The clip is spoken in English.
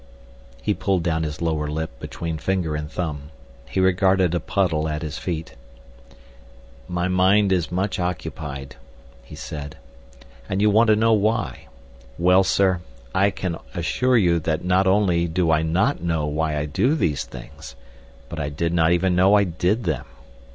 He pulled down his lower lip between finger and thumb. He regarded a puddle at his feet. "My mind is much occupied," he said. "And you want to know why! Well, sir, I can assure you that not only do I not know why I do these things, but I did not even know I did them.